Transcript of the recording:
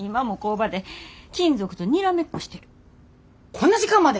こんな時間まで！？